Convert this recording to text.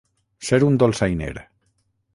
Ser un dolçainer.